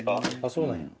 そうなんや。